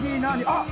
あっ！